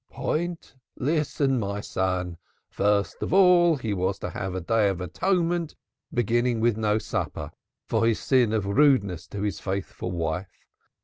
"Point! Listen, my son. First of all he was to have a Day of Atonement, beginning with no supper, for his sin of rudeness to his faithful wife.